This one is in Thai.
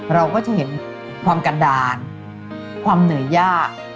เราก็จะเห็นความกระดานความเหนื่อยยาก